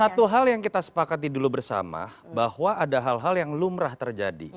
satu hal yang kita sepakati dulu bersama bahwa ada hal hal yang lumrah terjadi